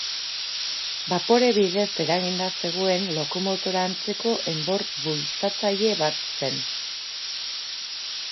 Bapore bidez eraginda zegoen lokomotora antzeko enbor bultzatzaile bat zen.